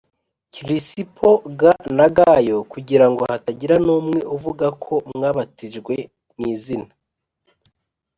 Kirisipo g na gayo kugira ngo hatagira n umwe uvuga ko mwabatijwe mu izina